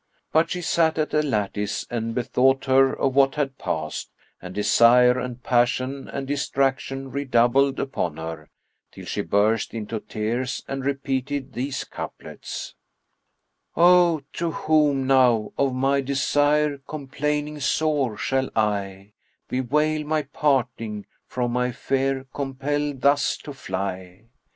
But she sat at a lattice and bethought her of what had passed, and desire and passion and distraction redoubled upon her, till she burst into tears and repeated these couplets, "O to whom now, of my desire complaining sore, shall I * Bewail my parting from my fere compellθd thus to fly?